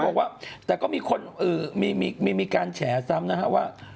และเขาก็มีคนมีการแฉกล้วนว่า